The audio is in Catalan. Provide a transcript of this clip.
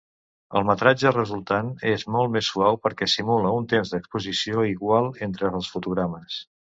El metratge resultant és molt més suau perquè simula un temps d'exposició igual entre els fotogrames.